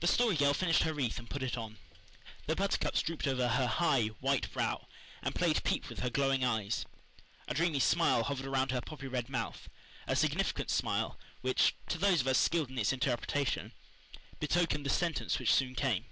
The Story Girl finished her wreath and put it on. The buttercups drooped over her high, white brow and played peep with her glowing eyes. A dreamy smile hovered around her poppy red mouth a significant smile which, to those of us skilled in its interpretation, betokened the sentence which soon came.